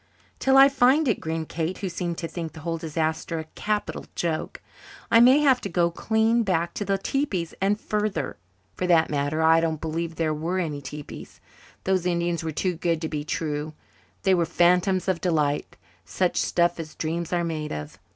"Till I find it," grinned Kate, who seemed to think the whole disaster a capital joke. "I may have to go clean back to the tepees and further. For that matter, I don't believe there were any tepees. Those Indians were too good to be true they were phantoms of delight such stuff as dreams are made of.